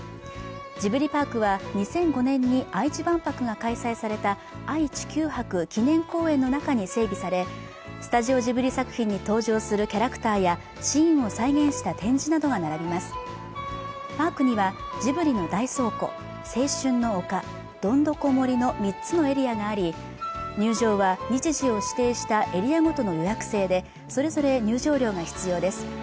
ジブリパークは２００５年に愛知万博が開催された愛・地球博記念公園の中に整備されスタジオジブリ作品に登場するキャラクターやシーンを再現した展示などが並びますパークにはジブリの大倉庫青春の丘どんどこ森の３つのエリアがあり入場は日時を指定したエリアごとの予約制でそれぞれ入場料が必要です